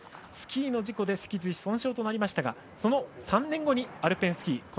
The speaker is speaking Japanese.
スキーの事故で脊髄損傷となりましたがその３年後にアルペンスキー